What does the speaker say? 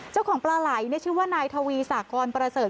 เจ้าของปลาไหล่ชื่อว่านายทวีสากรประเสริฐ